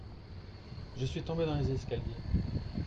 je suis tombé dans les escaliers.